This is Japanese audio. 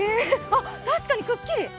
確かにくっきり！